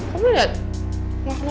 kamu lihat gak ada apa apa